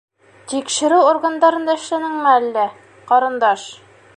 Тикшереү органдарында эшләнеңме әллә, ҡарындаш?